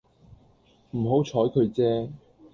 唔好採佢啫